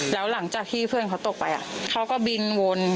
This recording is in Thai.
แล้วหลังจากที่เพื่อนเขาตกไปเขาก็บินวน